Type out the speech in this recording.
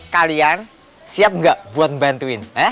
kalian siap gak buat bantuin